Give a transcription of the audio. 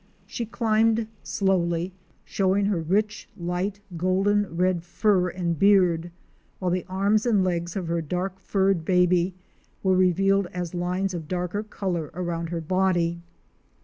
She climbed slowly, showing her rich light golden red fur and beard, while the arms and legs of her dark furred baby were revealed as lines of darker color around her body.